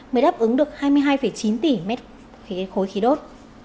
mới đáp ứng được hai mươi hai chín tỷ m ba khí đốt